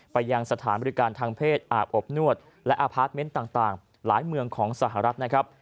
ไปยังสถานบริการทางเพศอาบอบนวดและอพาร์ทเมนต์ต่างหลายเมืองของสหรัฐนะครับ